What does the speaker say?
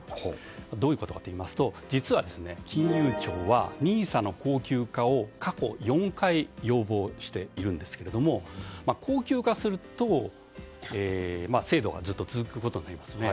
どういうことかといいますと実は金融庁はＮＩＳＡの恒久化を過去４回要望しているんですけれども恒久化すると制度がずっと続くことになりますね。